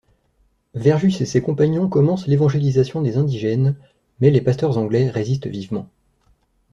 Verjus et ses compagnons commencent l'évangélisation des indigènes mais les pasteurs anglais résistent vivement.